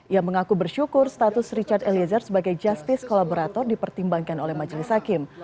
ia mengaku bersyukur status richard eliezer sebagai justice kolaborator dipertimbangkan oleh majelis hakim